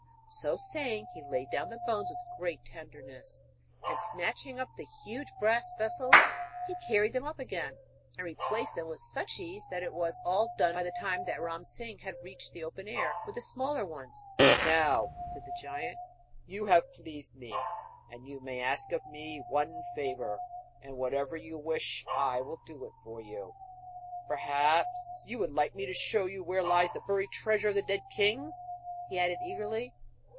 So saying, he laid down the bones with great tenderness, and snatching up the huge brass vessels, carried them up again, and replaced them with such ease that it was all done by the time that Ram Singh had reached the open air with the smaller ones. 'Now,' said the giant, 'you have pleased me, and you may ask of me one favour, and whatever you wish I will do it for you. Perhaps you would like me to show you where lies buried the treasure of dead kings?' he added eagerly.